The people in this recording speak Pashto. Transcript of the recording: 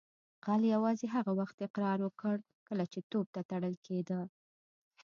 غل یوازې هغه وخت اقرار وکړ کله چې توپ ته تړل کیده